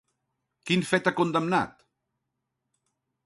Quin fet ha condemnat?